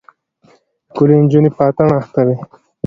ښکلې نجونه په اتڼ اخته وې.